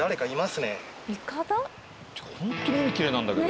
ホントに海きれいなんだけど。